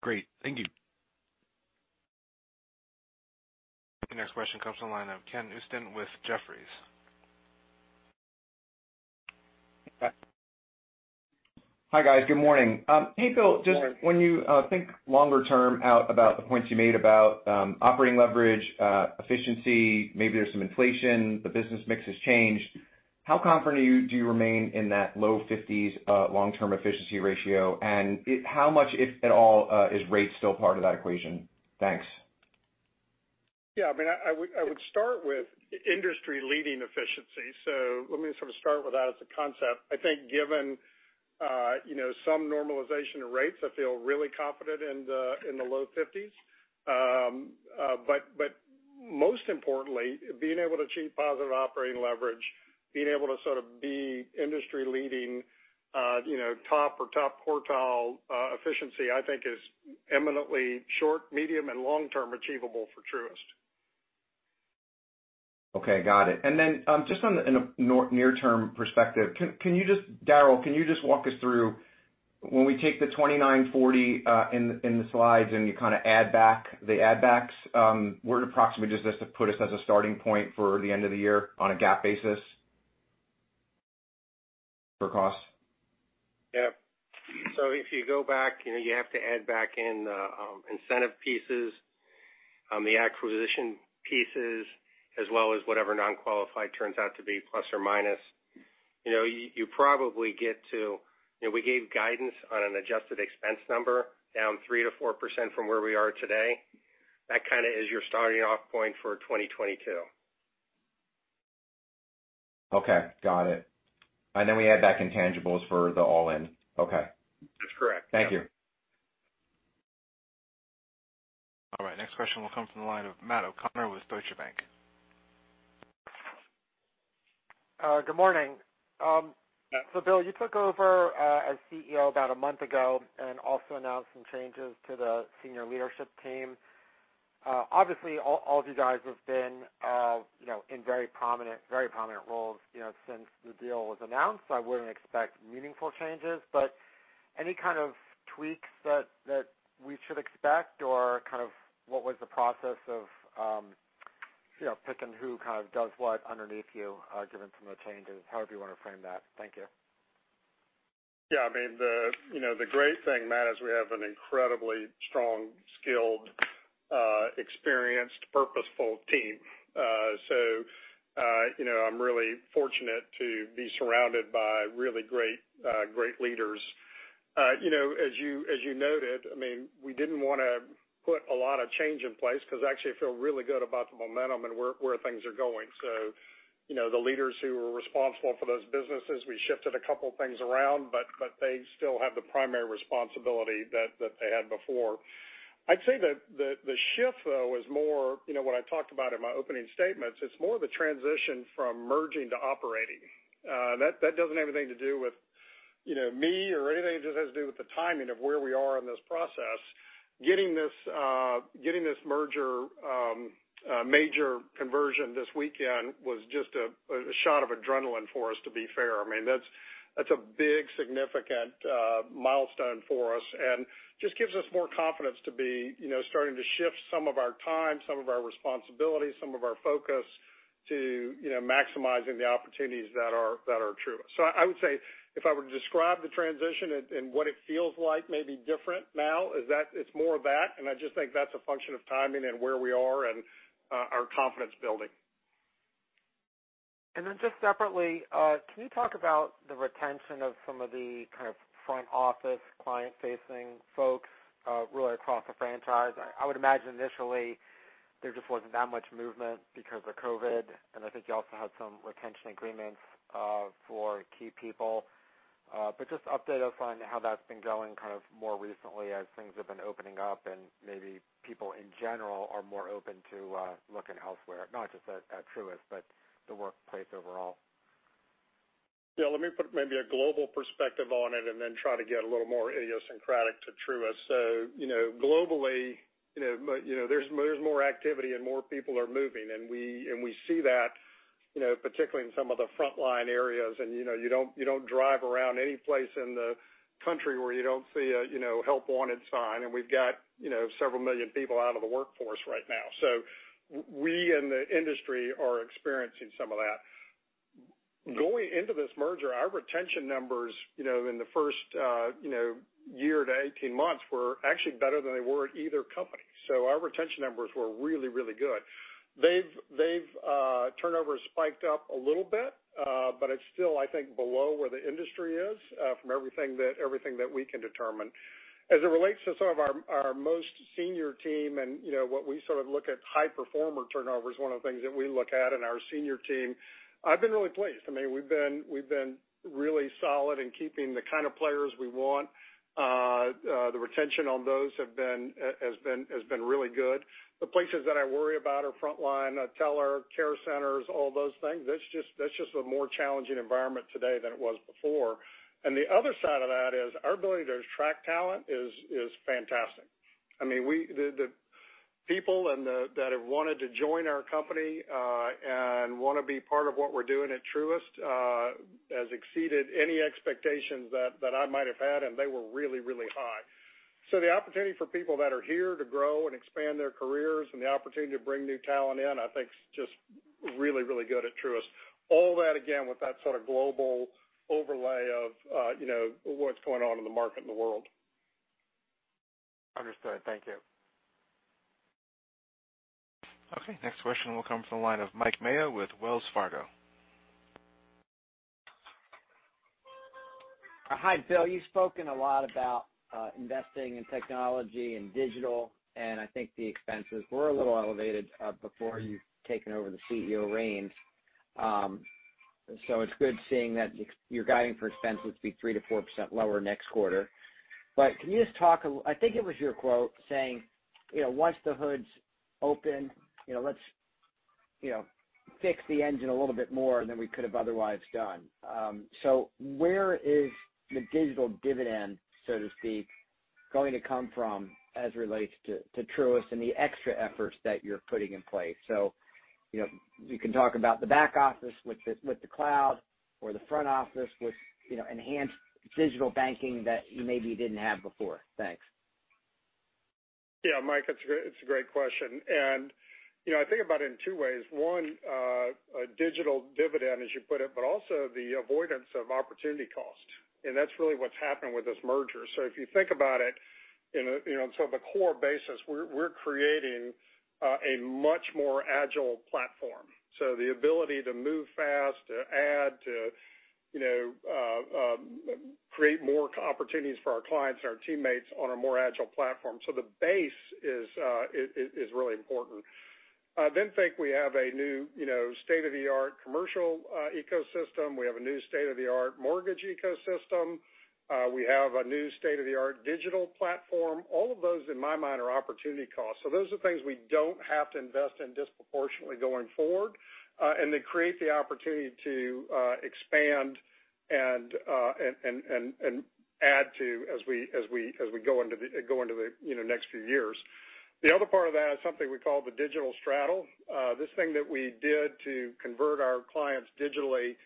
G: Great. Thank you.
A: The next question comes from the line of Ken Usdin with Jefferies.
I: Hi, guys. Good morning.
C: Good morning.
I: Hey, Bill, just when you think longer term out about the points you made about operating leverage, efficiency, maybe there's some inflation, the business mix has changed. How confident do you remain in that low 50's long-term efficiency ratio? How much, if at all, is rate still part of that equation? Thanks.
C: Yeah, I would start with industry-leading efficiency. Let me sort of start with that as a concept. I think given some normalization of rates, I feel really confident in the low 50's. Most importantly, being able to achieve positive operating leverage, being able to sort of be industry leading, top or top quartile efficiency, I think is eminently short, medium, and long-term achievable for Truist.
I: Okay. Got it. Then just in a near-term perspective, Daryl, can you just walk us through when we take the $29.40 in the slides and you kind of add back the add backs, where approximately does this put us as a starting point for the end of the year on a GAAP basis for cost?
D: If you go back, you have to add back in incentive pieces, the acquisition pieces, as well as whatever non-qualified turns out to be, plus or minus. We gave guidance on an adjusted expense number down 3%-4% from where we are today. That kind of is your starting off point for 2022.
I: Okay. Got it. Then we add back intangibles for the all-in. Okay.
D: That's correct. Yeah.
I: Thank you.
A: All right. Next question will come from the line of Matt O'Connor with Deutsche Bank.
J: Good morning.
C: Yeah.
J: Bill, you took over as CEO about a month ago and also announced some changes to the senior leadership team. Obviously, all of you guys have been in very prominent roles since the deal was announced. I wouldn't expect meaningful changes, but any kind of tweaks that we should expect, or kind of what was the process of picking who kind of does what underneath you given some of the changes? However you want to frame that. Thank you.
C: Yeah, the great thing, Matt, is we have an incredibly strong, skilled, experienced, purposeful team. I'm really fortunate to be surrounded by really great leaders. As you noted, we didn't want to put a lot of change in place because actually I feel really good about the momentum and where things are going. The leaders who were responsible for those businesses, we shifted a couple things around, but they still have the primary responsibility that they had before. I'd say the shift, though, is more what I talked about in my opening statements. It's more the transition from merging to operating. That doesn't have anything to do with me or anything. It just has to do with the timing of where we are in this process. Getting this merger, major conversion this weekend was just a shot of adrenaline for us, to be fair. That's a big, significant milestone for us, and just gives us more confidence to be starting to shift some of our time, some of our responsibility, some of our focus to maximizing the opportunities that are Truist. I would say if I were to describe the transition and what it feels like may be different now, is that it's more of that, and I just think that's a function of timing and where we are and our confidence building.
J: Just separately, can you talk about the retention of some of the front-office client-facing folks really across the franchise? I would imagine initially there just wasn't that much movement because of COVID, and I think you also had some retention agreements for key people. Just update us on how that's been going more recently as things have been opening up and maybe people in general are more open to looking elsewhere, not just at Truist, but the workplace overall.
C: Yeah. Let me put maybe a global perspective on it and then try to get a little more idiosyncratic to Truist. Globally there's more activity and more people are moving, and we see that particularly in some of the frontline areas. You don't drive around any place in the country where you don't see a help wanted sign. We've got several million people out of the workforce right now. We in the industry are experiencing some of that. Going into this merger, our retention numbers in the first year to 18 months were actually better than they were at either company. Our retention numbers were really, really good. Turnover has spiked up a little bit, but it's still I think below where the industry is from everything that we can determine. As it relates to some of our most senior team and what we look at high performer turnover is one of the things that we look at in our senior team. I've been really pleased. We've been really solid in keeping the kind of players we want. The retention on those has been really good. The places that I worry about are frontline, teller, care centers, all those things. That's just a more challenging environment today than it was before. The other side of that is our ability to attract talent is fantastic. The people that have wanted to join our company and want to be part of what we're doing at Truist has exceeded any expectations that I might have had, and they were really, really high. The opportunity for people that are here to grow and expand their careers and the opportunity to bring new talent in, I think is just really good at Truist. All that again, with that sort of global overlay of what's going on in the market in the world.
J: Understood. Thank you.
A: Okay, next question will come from the line of Mike Mayo with Wells Fargo.
K: Hi, Bill. I think the expenses were a little elevated before you've taken over the CEO reins. It's good seeing that you're guiding for expenses to be 3%-4% lower next quarter. Can you just talk I think it was your quote saying, "Once the hood's open, let's fix the engine a little bit more than we could have otherwise done." Where is the digital dividend, so to speak, going to come from as it relates to Truist and the extra efforts that you're putting in place? You can talk about the back office with the cloud or the front office with enhanced digital banking that you maybe didn't have before. Thanks.
C: Yeah, Mike, it's a great question. I think about it in two ways. One, a digital dividend, as you put it, but also the avoidance of opportunity cost. That's really what's happened with this merger. If you think about it on sort of a core basis, we're creating a much more agile platform. The ability to move fast, to add, to create more opportunities for our clients and our teammates on a more agile platform. The base is really important. Think we have a new state-of-the-art commercial ecosystem. We have a new state-of-the-art mortgage ecosystem. We have a new state-of-the-art digital platform. All of those in my mind are opportunity costs. Those are things we don't have to invest in disproportionately going forward. They create the opportunity to expand and add to as we go into the next few years. The other part of that is something we call the digital straddle. This thing that we did to convert our clients digitally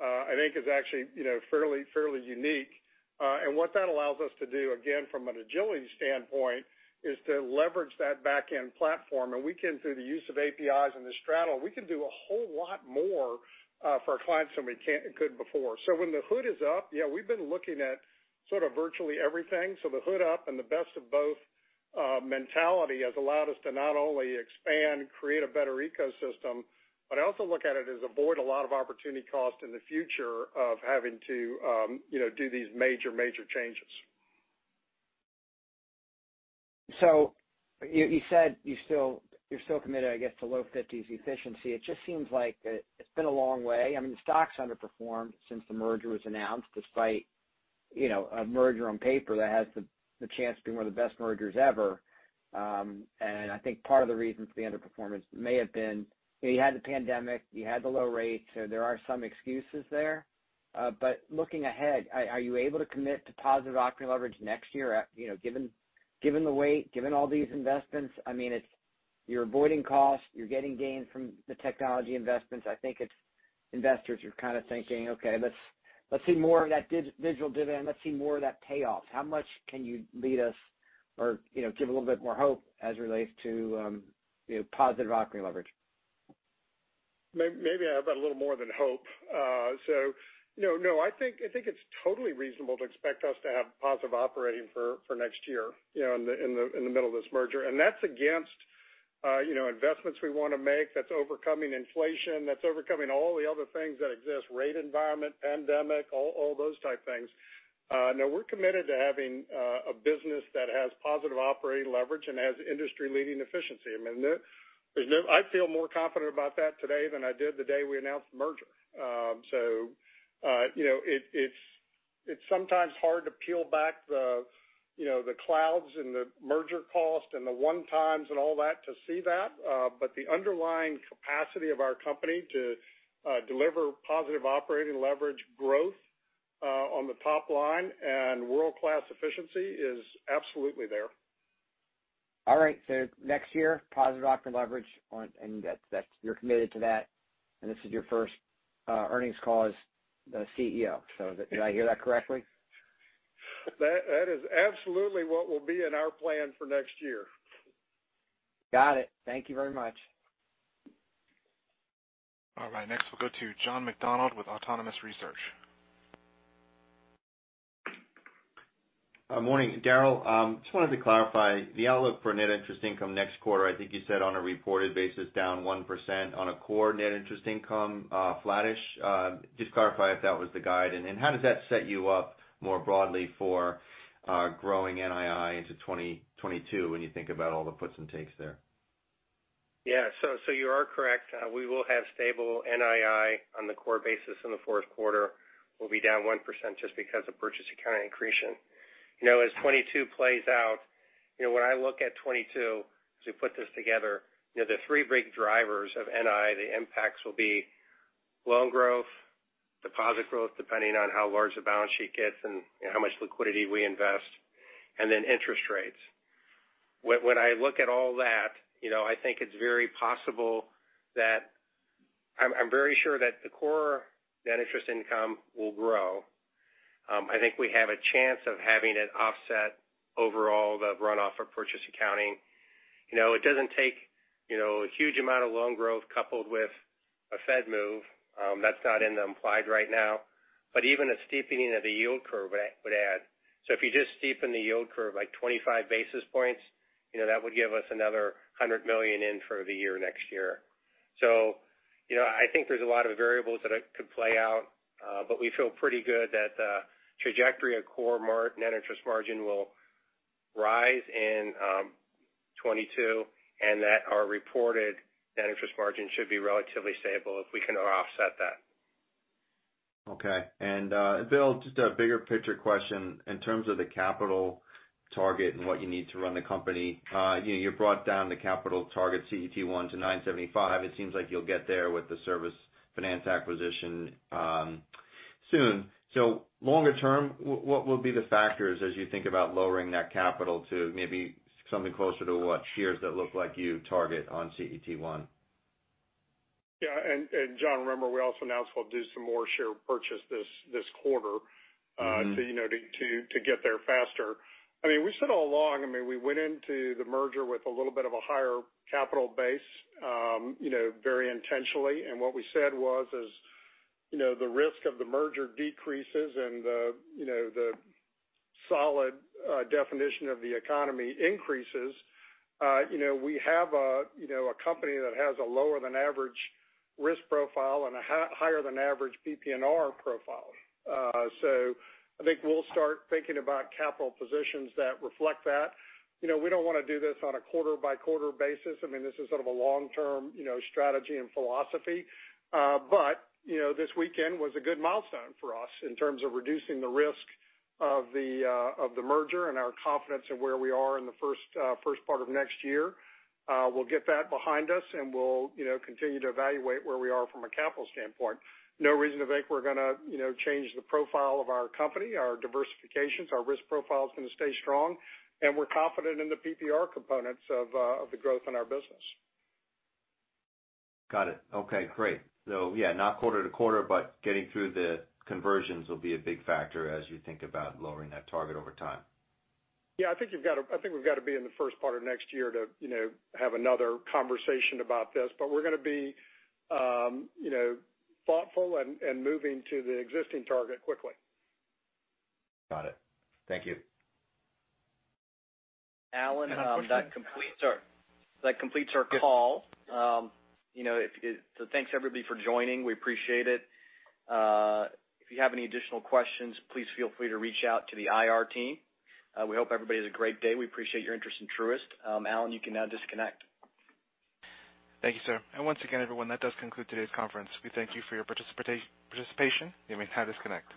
C: I think is actually fairly unique. What that allows us to do, again, from an agility standpoint, is to leverage that back-end platform. We can, through the use of APIs and the straddle, we can do a whole lot more for our clients than we could before. When the hood is up, we've been looking at sort of virtually everything. The hood up and the best of both mentality has allowed us to not only expand, create a better ecosystem, but I also look at it as avoid a lot of opportunity cost in the future of having to do these major changes.
K: You said you're still committed, I guess, to low 50s efficiency. It just seems like it's been a long way. The stock's underperformed since the merger was announced despite a merger on paper that has the chance to be one of the best mergers ever. I think part of the reason for the underperformance may have been you had the pandemic, you had the low rates. There are some excuses there. Looking ahead, are you able to commit to positive operating leverage next year given the weight, given all these investments? You're avoiding cost, you're getting gain from the technology investments. I think it's investors are kind of thinking, okay, let's see more of that digital dividend. Let's see more of that payoff. How much can you lead us or give a little bit more hope as it relates to positive operating leverage?
C: Maybe I've got a little more than hope. No, I think it's totally reasonable to expect us to have positive operating for next year in the middle of this merger. That's against investments we want to make, that's overcoming inflation, that's overcoming all the other things that exist, rate environment, pandemic, all those type things. No, we're committed to having a business that has positive operating leverage and has industry-leading efficiency. I feel more confident about that today than I did the day we announced the merger. It's sometimes hard to peel back the clouds and the merger cost and the one-times and all that to see that. The underlying capacity of our company to deliver positive operating leverage growth on the top line and world-class efficiency is absolutely there.
K: All right. Next year, positive operating leverage, and you're committed to that. This is your first earnings call as the CEO. Did I hear that correctly?
C: That is absolutely what will be in our plan for next year.
K: Got it. Thank you very much.
A: All right, next we'll go to John McDonald with Autonomous Research.
L: Morning, Daryl. Just wanted to clarify the outlook for net interest income next quarter. I think you said on a reported basis, down 1% on a core net interest income, flattish. Just clarify if that was the guide. How does that set you up more broadly for growing NII into 2022 when you think about all the puts and takes there?
D: Yeah. You are correct. We will have stable NII on the core basis in the fourth quarter. We'll be down 1% just because of purchase accounting accretion. As 2022 plays out, when I look at 2022, as we put this together, the three big drivers of NII, the impacts will be loan growth, deposit growth, depending on how large the balance sheet gets and how much liquidity we invest, and then interest rates. When I look at all that, I'm very sure that the core net interest income will grow. I think we have a chance of having it offset overall the runoff of purchase accounting. It doesn't take a huge amount of loan growth coupled with a Fed move. That's not in the implied right now. Even a steepening of the yield curve would add. If you just steepen the yield curve like 25 basis points, that would give us another $100 million in for the year next year. I think there's a lot of variables that could play out. We feel pretty good that the trajectory of core net interest margin will rise in 2022, and that our reported net interest margin should be relatively stable if we can offset that.
L: Okay. Bill, just a bigger picture question in terms of the capital target and what you need to run the company. You brought down the capital target CET1 to 975. It seems like you'll get there with the Service Finance acquisition soon. Longer term, what will be the factors as you think about lowering that capital to maybe something closer to what peers that look like you target on CET1?
C: Yeah. John, remember, we also announced we'll do some more share purchase this quarter to get there faster. We said all along, we went into the merger with a little bit of a higher capital base very intentionally. What we said was, as the risk of the merger decreases and the solid definition of the economy increases, we have a company that has a lower than average risk profile and a higher than average PPNR profile. I think we'll start thinking about capital positions that reflect that. We don't want to do this on a quarter-by-quarter basis. This is a long-term strategy and philosophy. This weekend was a good milestone for us in terms of reducing the risk of the merger and our confidence in where we are in the first part of next year. We'll get that behind us, and we'll continue to evaluate where we are from a capital standpoint. No reason to think we're going to change the profile of our company, our diversifications. Our risk profile is going to stay strong, and we're confident in the PPNR components of the growth in our business.
L: Got it. Okay, great. Yeah, not quarter-to-quarter, but getting through the conversions will be a big factor as you think about lowering that target over time.
C: Yeah, I think we've got to be in the first part of next year to have another conversation about this. We're going to be thoughtful and moving to the existing target quickly.
L: Got it. Thank you.
B: Alan-
C: Any more questions?
B: That completes our call. Thanks everybody for joining. We appreciate it. If you have any additional questions, please feel free to reach out to the IR team. We hope everybody has a great day. We appreciate your interest in Truist. Alan, you can now disconnect.
A: Thank you, sir. Once again, everyone, that does conclude today's conference. We thank you for your participation. You may now disconnect.